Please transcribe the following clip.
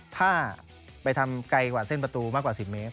ถ้าไปทำไกลกว่าเส้นประตูมากกว่า๑๐เมตร